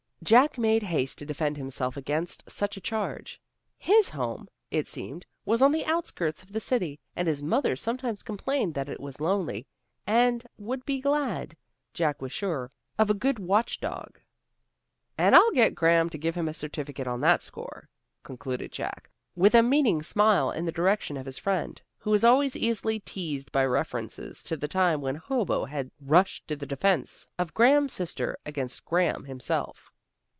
Jack made haste to defend himself against such a charge. His home, it seemed, was on the outskirts of the city, and his mother sometimes complained that it was lonely, and would be glad, Jack was sure, of a good watch dog. "And I'll get Graham to give him a certificate on that score," concluded Jack, with a meaning smile in the direction of his friend, who was always easily teased by references to the time when Hobo had rushed to the defence of Graham's sister against Graham himself.